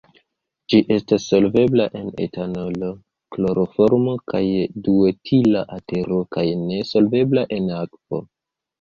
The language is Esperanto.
Ĝi estas solvebla en etanolo, kloroformo kaj duetila etero kaj ne solvebla en akvo.